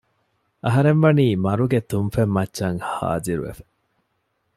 އަހަރެންވަނީ މަރުގެ ތުންފަތްމައްޗަށް ހާޒިރުވެފަ